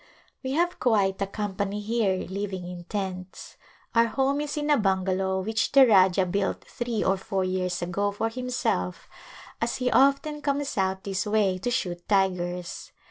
We have quite a company here living in tents. Our home is in a bungalow which the Rajah built three or four years ago for himself as he often comes out this way to shoot tigers.